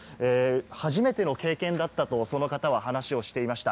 初めての経験だったと、その方は話をしていました。